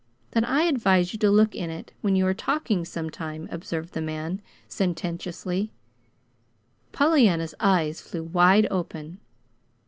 "Then I advise you to look in it when you're talking sometime," observed the man sententiously. Pollyanna's eyes flew wide open.